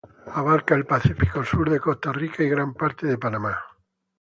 Abarca el Pacífico sur de Costa Rica y gran parte de Panamá.